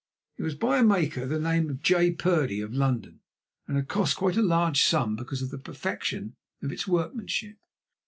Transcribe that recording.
It was by a maker of the name of J. Purdey, of London, and had cost quite a large sum because of the perfection of its workmanship.